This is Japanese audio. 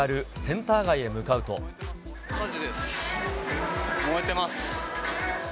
火事です、燃えてます。